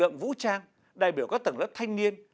lực lượng vũ trang đại biểu các tầng lớp thanh niên